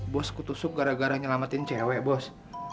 bos kutusuk gara gara nyelamatin cewek bos